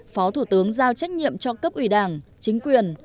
phó thủ tướng giao trách nhiệm cho cấp ủy đảng chính quyền